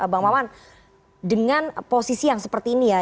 bang maman dengan posisi yang seperti ini ya